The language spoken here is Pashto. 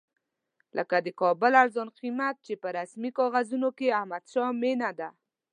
لکه د کابل ارزان قیمت چې په رسمي کاغذونو کې احمدشاه مېنه ده.